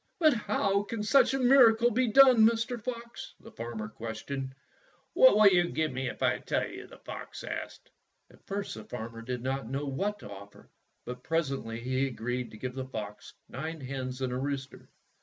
"But how can such a miracle be done, Mr. Fox?" the farmer questioned. " What will you give me if I tell you? " the fox asked. At first the farmer did not know what to offer, but presently he agreed to give the fox nine hens and a rooster.